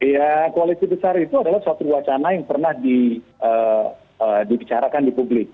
ya koalisi besar itu adalah suatu wacana yang pernah dibicarakan di publik